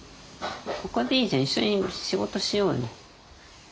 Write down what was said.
ここでいいじゃん一緒に仕事しようよ。